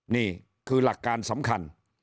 นี่คือหลักการสำคัญ